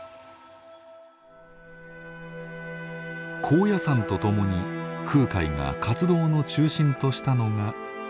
高野山と共に空海が活動の中心としたのが京都です。